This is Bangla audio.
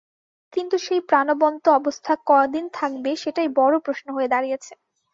কিন্তু সেই প্রাণবন্ত অবস্থা কদিন থাকবে, সেটাই বড় প্রশ্ন হয়ে দাঁড়িয়েছে।